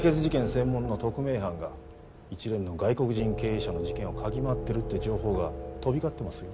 専門の特命班が一連の外国人経営者の事件を嗅ぎ回ってるって情報が飛び交ってますよ。